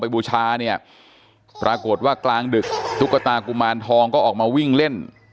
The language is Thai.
บูชาเนี่ยปรากฏว่ากลางดึกตุ๊กตากุมารทองก็ออกมาวิ่งเล่น